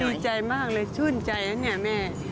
ดีใจมากเลยชื่นใจนะเนี่ยแม่